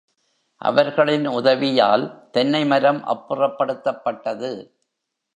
அவர்களின் உதவியால் தென்னை மரம் அப்புறப்படுத்தப்பட்டது.